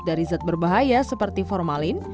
dari zat berbahaya seperti formalin